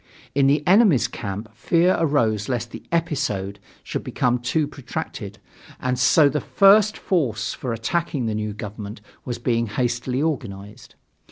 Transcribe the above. In the enemy's camp fear arose lest the "episode" should become too protracted, and so the first force for attacking the new government was being hastily organized.